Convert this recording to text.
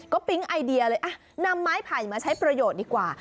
ก็ปิ๊งไอเดียเลยนำไม้ไผ่มาใช้ประโยชน์ดีกว่า